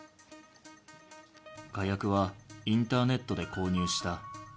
火薬はインターネットで購入した。